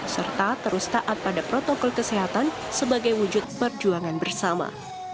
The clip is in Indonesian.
serta terus taat pada protokol kesehatan sebagai wujud perjuangan bersama